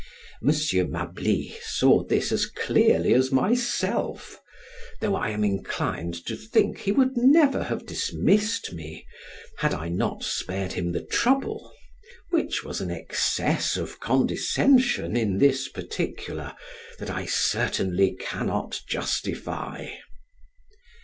Monsieur Malby saw this as clearly as myself, though I am inclined to think he would never have dismissed me had I not spared him the trouble, which was an excess of condescension in this particular, that I certainly cannot justify.